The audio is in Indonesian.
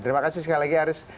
terima kasih sekali lagi aris